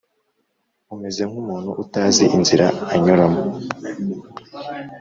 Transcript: Umeze nk’umuntu utazi inzira anyuramo